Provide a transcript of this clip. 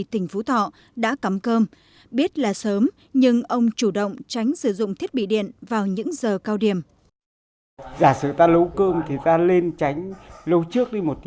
tỉnh phú thọ đã cắm cơm biết là sớm nhưng ông chủ động tránh sử dụng thiết bị điện vào những giờ cao điểm